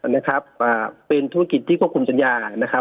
นะครับอ่าเป็นธุรกิจที่ควบคุมสัญญานะครับ